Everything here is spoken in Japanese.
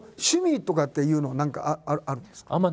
趣味とかっていうの何かあるんですか？